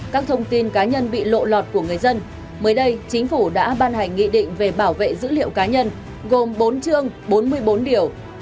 các thông tin cá nhân bị lộ lọt của người dân mới đây chính phủ đã ban hành nghị định về bảo vệ dữ liệu cá nhân gồm bốn chương bốn mươi bốn điều